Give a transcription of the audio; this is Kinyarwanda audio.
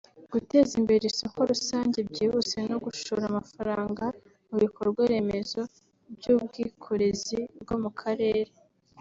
guteza imbere isoko rusange byihuse no gushora amafaranga mu bikorwa remezo by’ubwikorezi bwo mu karere